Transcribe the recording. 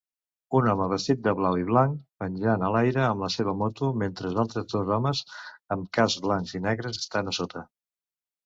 Un home vestit de blau i blanc penjant a l'aire amb la seva moto mentre altres dos homes amb cascs blancs i negres estan a sota